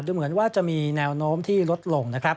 เหมือนว่าจะมีแนวโน้มที่ลดลงนะครับ